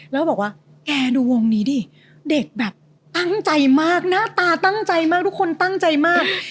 แล้วบอกว่าแกดูวงนี้ดิเด็กแบบตั้งใจมากหน้าตาตั้งใจมากทุกคนตั้งใจมาก